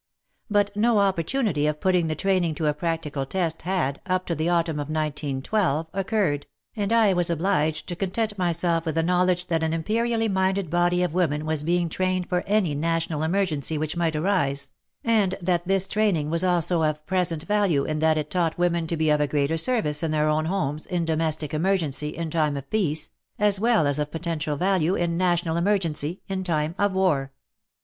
But no opportunity of putting the training to a practical test had, up to the autumn of 19 12, occurred, and I was obliged to content myself with the knowledge that an imperially minded body of women was being trained for any national emergency which might arise, and that this training was also oi present value in that it taught women to be of greater service in their own homes in domestic emergency in time of peace, as well as of potential value in national emergency in time of war.